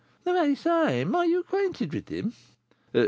"The very same; are you acquainted with him?"